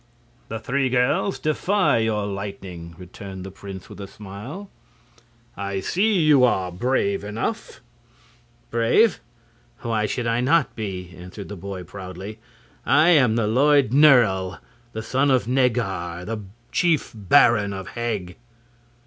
"The three girls defy your lightning!" returned the prince with a smile. "I see you are brave enough." "Brave! Why should I not be?" answered the boy proudly. "I am the Lord Nerle, the son of Neggar, the chief baron of Heg!"